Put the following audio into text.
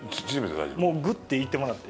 もう、グッといってもらって。